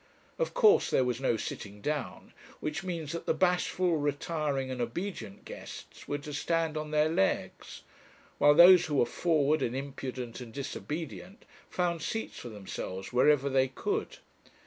Of course there was no sitting down; which means that the bashful, retiring, and obedient guests were to stand on their legs; while those who were forward, and impudent, and disobedient, found seats for themselves wherever they could.